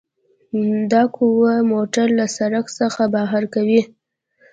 دا قوه موټر له سرک څخه بهر کوي